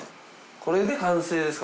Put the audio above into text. これで完成ですか？